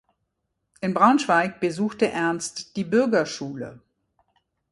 In Braunschweig besuchte Ernst die Bürgerschule.